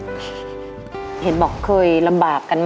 ผ่านยกที่สองไปได้นะครับคุณโอ